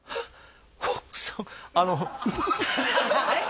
奥さんあのあれ？